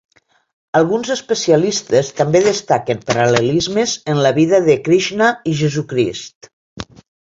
Alguns especialistes també destaquen paral·lelismes en la vida de Krixna i Jesucrist.